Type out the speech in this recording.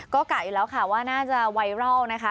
ก็กะอยู่แล้วค่ะว่าน่าจะไวรัลนะคะ